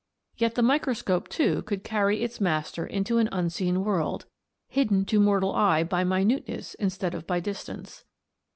Yet the MICROSCOPE too could carry its master into an unseen world, hidden to mortal eye by minuteness instead of by distance.